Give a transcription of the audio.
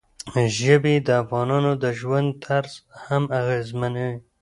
ژبې د افغانانو د ژوند طرز هم اغېزمنوي.